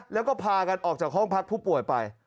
แล้วก็พากันออกจากห้องพักผู้ป่วยไป